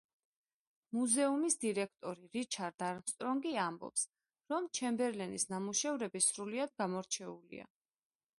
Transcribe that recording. მუზეუმის დირექტორი რიჩარდ არმსტრონგი ამბობს, რომ ჩემბერლენის ნამუშევრები სრულიად გამორჩეულია.